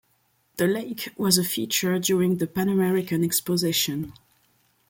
The lake was a feature during the Pan-American Exposition.